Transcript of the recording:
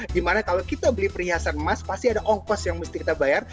dimana kalau kita beli perhiasan emas pasti ada ongkos yang mesti kita bayar